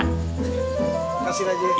kasih aja ya